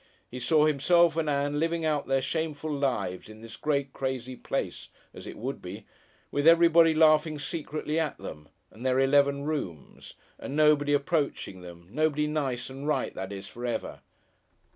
He saw himself and Ann living out their shameful lives in this great crazy place as it would be with everybody laughing secretly at them and their eleven rooms, and nobody approaching them nobody nice and right that is, for ever.